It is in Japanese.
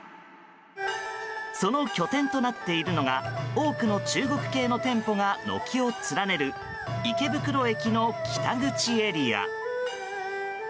その拠点となっているのが多くの中国系の店舗が軒を連ねる池袋駅の北口エリア。